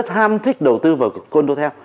ham thích đầu tư vào cô đô theo